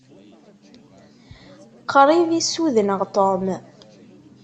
Qṛib i ssudneɣ Tom.